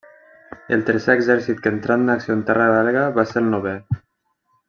El tercer exèrcit que entrà en acció en terra belga va ser el Novè.